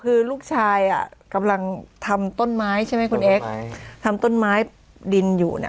คือลูกชายอ่ะกำลังทำต้นไม้ใช่ไหมคุณเอ็กซ์ทำต้นไม้ดินอยู่น่ะ